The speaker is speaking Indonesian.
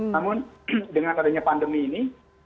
namun dengan adanya pandemi ini